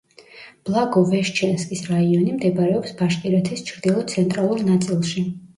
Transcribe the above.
ბლაგოვეშჩენსკის რაიონი მდებარეობს ბაშკირეთის ჩრდილო-ცენტრალურ ნაწილში.